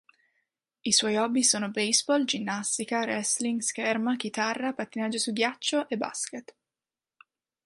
I suoi hobby sono baseball, ginnastica, wrestling, scherma, chitarra, pattinaggio su ghiaccio e basket.